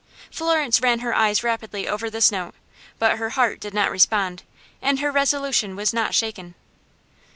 Florence ran her eyes rapidly over this note, but her heart did not respond, and her resolution was not shaken.